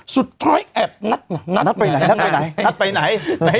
สุดท้อยแอบนัดไปไหน